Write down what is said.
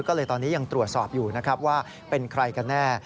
ก็เลยตอนนี้ยังตรวจสอบอยู่นะครับว่าเป็นใครกันแน่